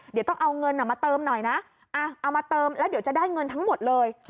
เดี๋ยวต้องเอาเงินมาเติมหน่อยนะเอามาเติมแล้วเดี๋ยวจะได้เงินทั้งหมดเลย